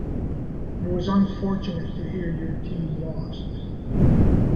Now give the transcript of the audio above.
It was unfortunate to hear your team lost.